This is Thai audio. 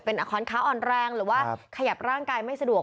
คอนค้าอ่อนแรงหรือว่าขยับร่างกายไม่สะดวก